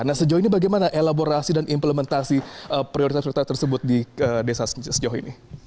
nah sejauh ini bagaimana elaborasi dan implementasi prioritas prioritas tersebut di desa sejauh ini